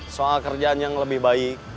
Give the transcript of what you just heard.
soal kerjaan yang lebih baik